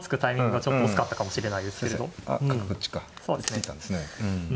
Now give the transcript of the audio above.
突いたんですね。